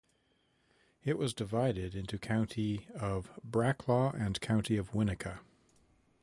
It was divided into County of Braclaw and County of Winnica.